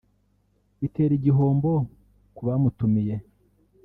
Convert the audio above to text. bitera igihombo ku bamutumiye